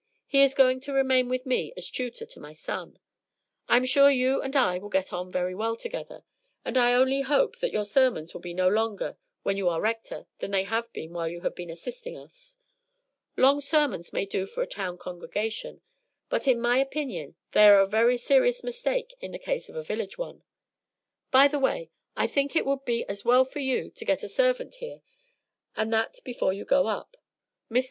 He is going to remain with me as tutor to my son. I am sure you and I will get on very well together, and I only hope that your sermons will be no longer when you are Rector than they have been while you have been assisting us. Long sermons may do for a town congregation, but in my opinion they are a very serious mistake in the case of a village one. By the way, I think it would be as well for you to get a servant here, and that before you go up. Mr.